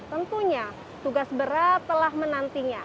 tentunya tugas berat telah menantinya